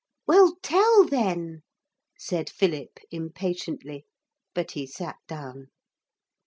'Well, tell then,' said Philip impatiently. But he sat down.